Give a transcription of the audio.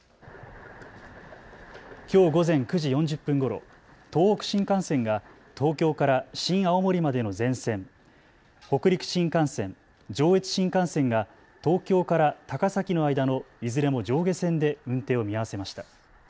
きょう午前９時４０分ごろ東北新幹線が東京から新青森までの全線、北陸新幹線、上越新幹線が東京から高崎の間のいずれも上下線で運転を見合わせました。